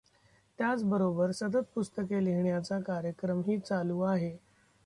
त्याच बरोबर सतत पुस्तके लिहिण्याचा कार्यक्रमही चालू आहे.